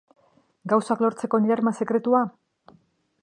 Gauzak lortzeko nire arma sekretua?